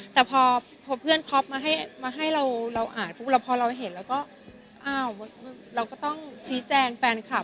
แต่พอเพื่อนครอบมาให้เราอ่านพอเราเห็นเราก็ต้องชี้แจงแฟนคลับ